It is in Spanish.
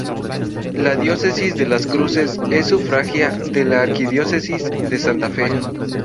La Diócesis de Las Cruces es sufragánea de la Arquidiócesis de Santa Fe.